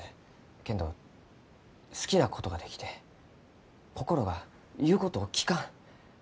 けんど好きなことができて心が言うことを聞かん。